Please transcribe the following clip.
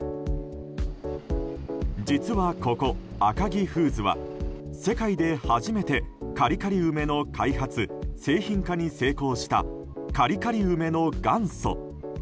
実はここ、赤城フーズは世界で初めてカリカリ梅の開発・製品化に成功したカリカリ梅の元祖。